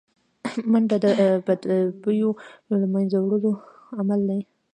منډه د بدبویو له منځه وړو عمل دی